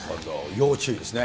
要注意ですね。